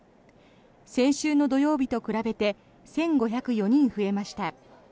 先週の土曜日と比べて１５０４人増えました。